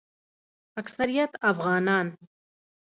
اکثریت افغانان